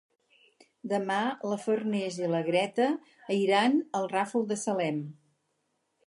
Demà na Farners i na Greta iran al Ràfol de Salem.